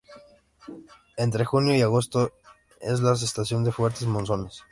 Entre junio y agosto es la estación de fuertes monzones.